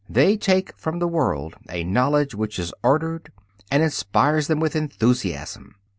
They take from the world a knowledge which is ordered and inspires them with enthusiasm.